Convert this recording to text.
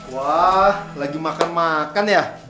wah lagi makan makan ya